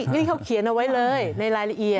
นี่เขาเขียนเอาไว้เลยในรายละเอียด